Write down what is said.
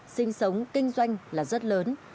sinh sống kinh doanh là rất lớn